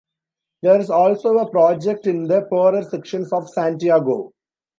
There is also a project in the poorer sections of Santiago.